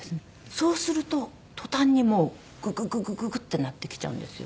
そうすると途端にもうグググググってなってきちゃうんですよ。